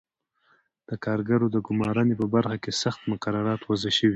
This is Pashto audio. د کارګرو د ګومارنې په برخه کې سخت مقررات وضع شوي.